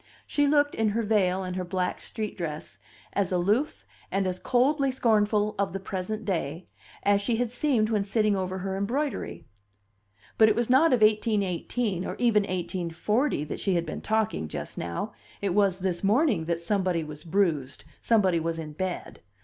She looked, in her veil and her black street dress, as aloof, and as coldly scornful of the present day, as she had seemed when sitting over her embroidery; but it was not of 1818, or even 1840, that she had been talking just now: it was this morning that somebody was bruised, somebody was in bed.